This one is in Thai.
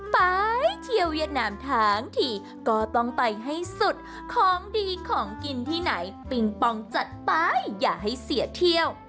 ไปเที่ยวเวียดนามทั้งทีก็ต้องไปให้สุดของดีของกินที่ไหนปิงปองจัดไปอย่าให้เสียเที่ยว